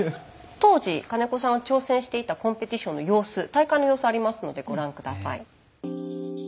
当時金子さんが挑戦していたコンペティションの様子大会の様子ありますのでご覧下さい。